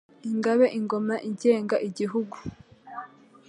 Ingabe Ingoma igenga igihugu